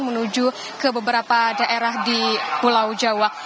menuju ke beberapa daerah di pulau jawa